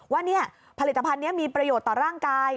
ว่าผลิตภัณฑ์นี้มีประโยชน์ต่อร่างกาย